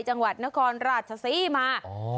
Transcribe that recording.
จังหวัดนครราชศรีมา